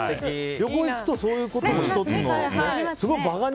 旅行行くとそういうことも１つのね。